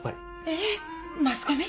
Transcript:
えマスコミ？